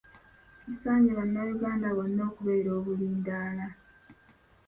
Kisaanye Bannayuganda bonna okubeera obulindaala.